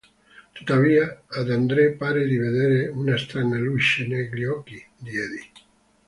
Tuttavia, ad André pare di vedere una strana luce negli occhi di Eddy.